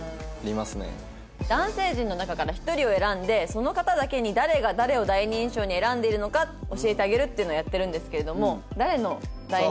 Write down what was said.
男性陣の中から一人を選んでその方だけに誰が誰を第二印象に選んでいるのか教えてあげるっていうのをやってるんですけれども。